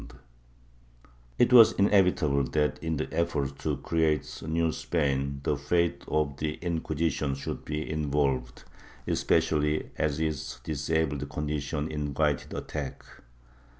^ It was inevitable that, in the effort to create a new Spain, the fate of the Inquisition should be involved, especially as its disabled condition invited attack.